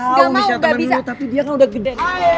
gue tau michelle temen lo tapi dia kan udah gede